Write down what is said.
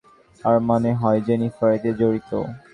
আমার মনে হয় না, জেনিফার এতে জড়িত।